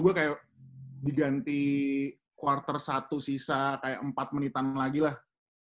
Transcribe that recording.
gue kayak diganti quarter satu sisa kayak empat menitan lagi lah